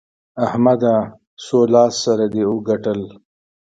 احمده! څو لاس سره دې وګټل؟